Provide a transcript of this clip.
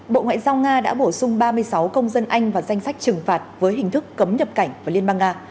bộ ngoại giao nga đã bổ sung ba mươi sáu công dân anh vào danh sách trừng phạt với hình thức cấm nhập cảnh vào liên bang nga